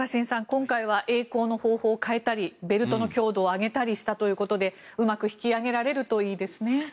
今回はえい航の方法を変えたりベルトの強度を上げたりしたということでうまく引き揚げられるといいですね。